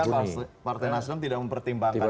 tapi kan partai nasional tidak mempertimbangkan itu